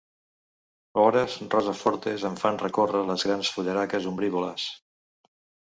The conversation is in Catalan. Hores rosa fortes em fan recórrer les grans fullaraques ombrívoles.